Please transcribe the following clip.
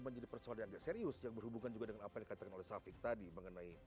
menjadi persoalan yang serius yang berhubungan dengan apa yang kata harvesting tadi mengenai